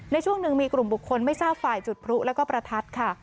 ในช่วงหนึ่งมีกลุ่มบุคคลไม่ทราบฝ่ายจุดพลุแล้วก็ประทัดค่ะ